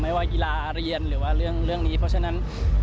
ว่ากีฬาเรียนหรือว่าเรื่องนี้เพราะฉะนั้น